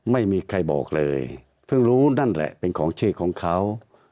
ไม่มีใครบอกเลยเพิ่งรู้นั่นแหละเป็นของชื่อของเขา